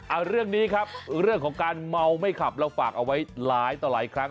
เอาเรื่องนี้ครับเรื่องของการเมาไม่ขับเราฝากเอาไว้หลายต่อหลายครั้ง